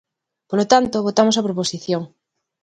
Polo tanto, votamos a proposición.